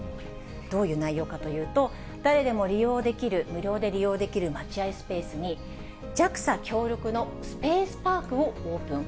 どういう内容かというと、誰でも利用できる、無料でできる待ち合いスペースに、ＪＡＸＡ協力のスペースパークをオープン。